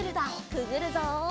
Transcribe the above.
くぐるぞ。